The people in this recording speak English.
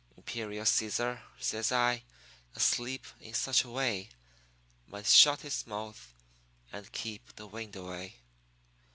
'Imperial Cæsar,' says I, 'asleep in such a way, might shut his mouth and keep the wind away.'